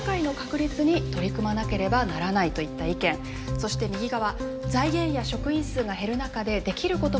そして右側。